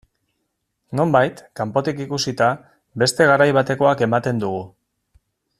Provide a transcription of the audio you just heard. Nonbait, kanpotik ikusita, beste garai batekoak ematen dugu.